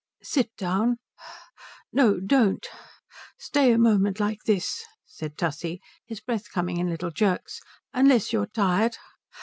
"Sit down no don't stay a moment like this," said Tussie, his breath coming in little jerks, "unless you are tired?